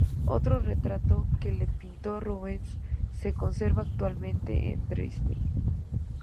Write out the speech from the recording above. Otro retrato que le pintó Rubens se conserva actualmente en Dresde.